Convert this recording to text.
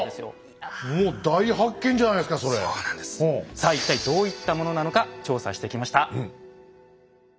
さあ一体どういったものなのか調査してきました。